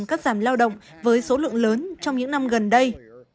cắt giảm lao động với số lượng lớn trong những năm gần đây